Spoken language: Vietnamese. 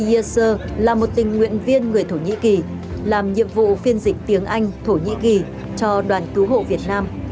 yecer là một tình nguyện viên người thổ nhĩ kỳ làm nhiệm vụ phiên dịch tiếng anh thổ nhĩ kỳ cho đoàn cứu hộ việt nam